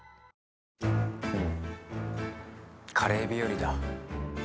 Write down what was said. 「うんカレー日和だ」